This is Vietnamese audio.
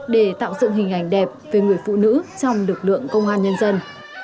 để tạo dựng hình ảnh đẹp về người phụ nữ trong lực lượng công an nhân dân